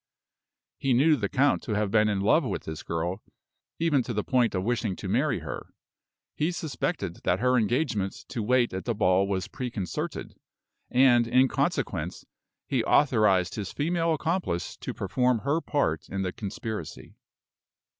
He knew the count to have been in love with this girl, even to the point of wishing to marry her; he suspected that her engagement to wait at the ball was preconcerted; and, in consequence, he authorized his female accomplice to perform her part in the conspiracy.